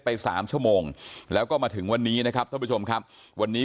สามชั่วโมงแล้วก็มาถึงวันนี้นะครับท่านผู้ชมครับวันนี้